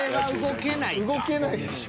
動けないでしょ。